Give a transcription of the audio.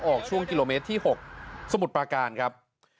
ออกช่วงกิโลเมตรที่๖สมุทรปราการครับ